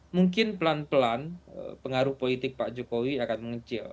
mungkin pelan pelan pengaruh politik pak jokowi akan mengecil